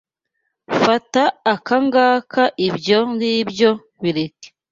Fata aka ngaka ibyo ngibyo bireke